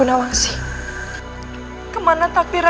gimana bisa seperti ini